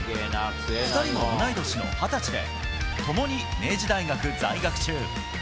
２人も同い年の２０歳で、ともに明治大学在学中。